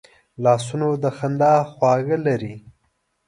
لاسونه د خندا خواږه لري